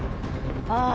ああ